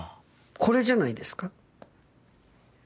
これじゃないですか。